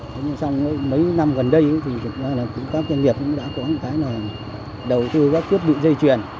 thế nhưng xong mấy năm gần đây thì thực ra là cũng các doanh nghiệp cũng đã có một cái là đầu tư các quyết định dây chuyển